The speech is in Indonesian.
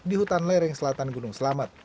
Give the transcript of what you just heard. di hutan lereng selatan gunung selamat